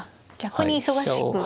逆に忙しく。